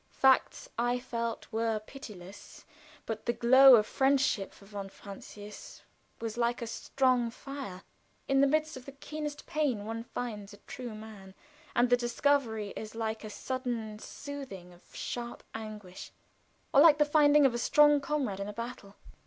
Facts, I felt, were pitiless; but the glow of friendship for von Francius was like a strong fire. In the midst of the keenest pain one finds a true man, and the discovery is like a sudden soothing of sharp anguish, or like the finding a strong comrade in a battle.